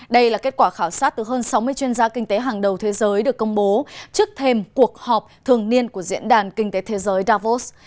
đây là kết quả khảo sát từ hơn sáu mươi chuyên gia kinh tế hàng đầu thế giới được công bố trước thêm cuộc họp thường niên của diễn đàn kinh tế thế giới davos